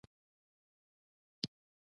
دا د نړۍ د ټولو اقلیمونو ډولونه لري.